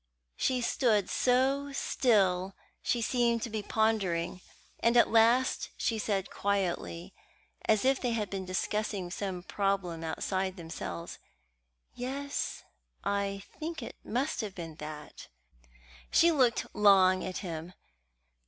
She stood so still she seemed to be pondering, and at last she said quietly, as if they had been discussing some problem outside themselves: "Yes, I think it must have been that." She looked long at him.